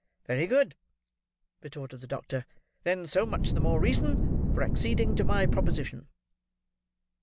"Very good," retorted the doctor; "then so much the more reason for acceding to my proposition."